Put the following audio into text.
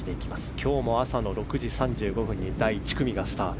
今日も朝の６時３５分に第１組がスタート。